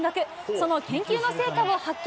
その研究の成果を発揮。